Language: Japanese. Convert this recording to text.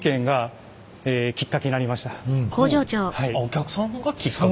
あっお客さんがきっかけ。